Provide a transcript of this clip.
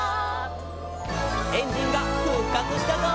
「エンジンが復活したぞ！」